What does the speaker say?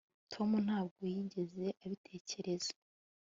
tom ntabwo yigeze abitekereza